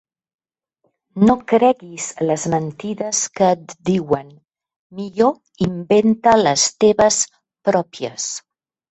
No creguis les mentides que et diuen, millor inventa les teves pròpies.